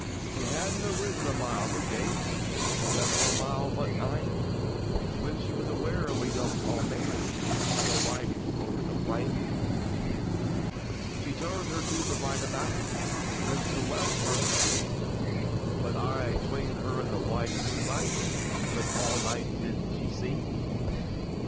She hadna ridden a mile o' gate, Never a mile but ane, When she was aware of a tall young man, Slow riding o'er the plain, She turned her to the right about, Then to the left turn'd she; But aye, 'tween her and the wan moonlight, That tall knight did she see.